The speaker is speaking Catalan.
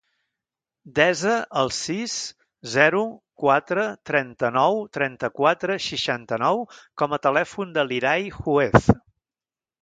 Desa el sis, zero, quatre, trenta-nou, trenta-quatre, seixanta-nou com a telèfon de l'Irai Juez.